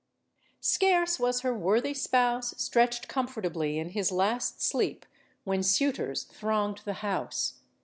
Scarce was her worthy spouse stretched comfortably in his last sleep, when suitors thronged the house.